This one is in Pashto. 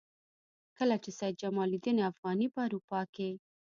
کله چې سید جمال الدین افغاني په اروپا کې.